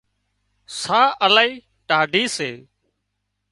ساهَه الاهي ٽاڍي سي